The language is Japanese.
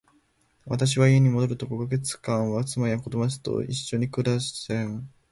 私は家に戻ると五ヵ月間は、妻や子供たちと一しょに楽しく暮していました。が、再び航海に出ることになりました。